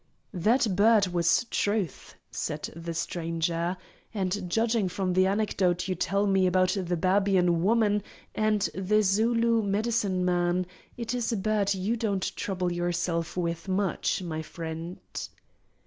"That bird was Truth," says the Stranger, "and, judging from the anecdote you tell me about the Babyan woman and the Zulu medicine man, it is a bird you don't trouble yourself with much, my friend."